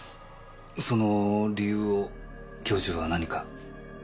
その理由を教授は何か？